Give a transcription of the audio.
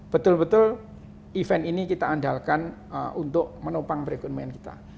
betul betul event ini kita andalkan untuk menopang perekonomian kita